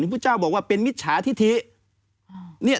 พระพุทธเจ้าบอกว่าเป็นมิจฉาธิ